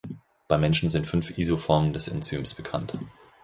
Beim Menschen sind fünf Isoformen des Enzyms bekannt.